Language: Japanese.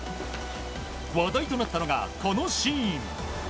話題となったのが、このシーン。